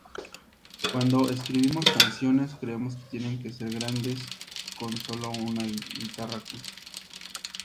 Cuando escribimos canciones, creemos que tienen que ser grandes con sólo una guitarra acústica.